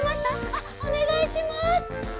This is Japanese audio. あっおねがいします。